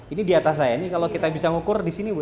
ini di atas saya ini kalau kita bisa ngukur di sini bu